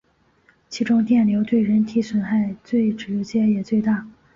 其中电流对人体的损害最直接也最大。